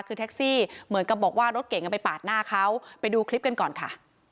คือแท็กซี่เหมือนกับบอกว่ารถเก่งไปปาดหน้าเขาไปดูคลิปกันก่อนค่ะ